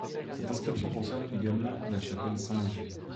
Cette inscription concerne également la chapelle Saint-Léger.